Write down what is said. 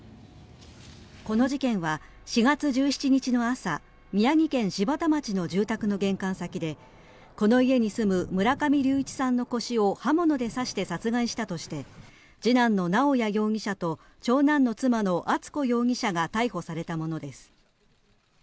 この事件は４月１７日の朝宮城県柴田町の住宅の玄関先でこの家に住む村上隆一さんの腰を刃物で刺して殺害したとして次男の直哉容疑者と長男の妻の敦子容疑者が逮捕されたものです。